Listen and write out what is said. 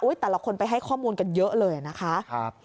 แต่ละคนไปให้ข้อมูลกันเยอะเลยนะคะ